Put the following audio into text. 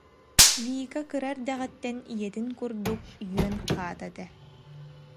Вика кыра эрдэҕиттэн ийэтин курдук үөн хаата этэ